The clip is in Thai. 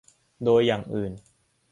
โดยอย่างอื่น